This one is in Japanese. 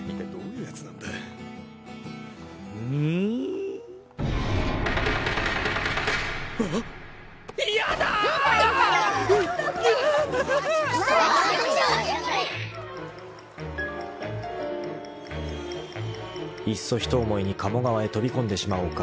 ［いっそ一思いに鴨川へ飛び込んでしまおうか］